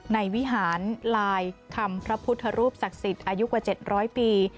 วิหารลายคำพระพุทธรูปศักดิ์สิทธิ์อายุกว่า๗๐๐ปี